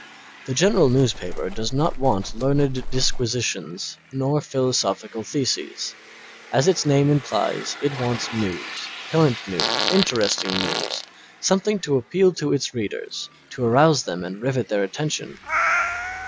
The general newspaper does not want learned disquisitions nor philosophical theses; as its name implies, it wants news, current news, interesting news, something to appeal to its readers, to arouse them and rivet their attention.